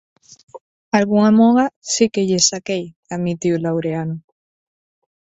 _Algunha moa si que lles saquei _admitiu Laureano_.